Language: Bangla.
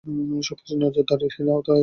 সবকিছু নজরদারীর আওতাতেই আছে।